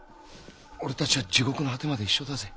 俺達は地獄の果てまで一緒だぜ。